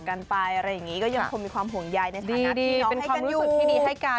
ก็เป็นห่วงเหมือนเดิมนะคะ